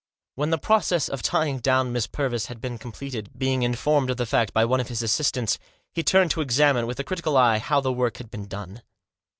When the process of tying down Miss Purvis had been completed, being informed of the fact by one of his assistants, he turned to examine, with a critical eye, how the work had been done.